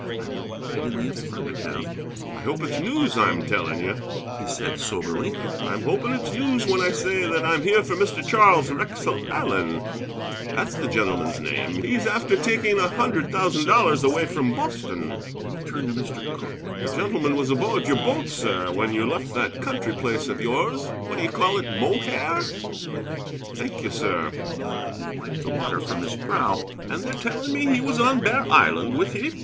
I replied in the affirmative. "I hope it's news I'm telling you," he said soberly; "I'm hoping it's news when I say that I'm here for Mr. Charles Wrexell Allen, that's the gentleman's name. He's after taking a hundred thousand dollars away from Boston." Then he turned to Mr. Cooke. "The gentleman was aboard your boat, sir, when you left that country place of yours, what d'ye call it? Mohair? Thank you, sir." And he wiped the water from his brow. "And they're telling me he was on Bear Island with ye?